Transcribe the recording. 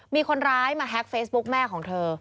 มีคนร้ายมาแฮ็กเฟซบุ๊กแม่ของเธอ